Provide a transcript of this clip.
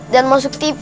dan masuk tv